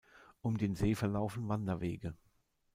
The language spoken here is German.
Um den See verlaufen Wanderwege.